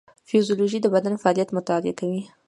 فیزیولوژي د بدن فعالیت مطالعه کوي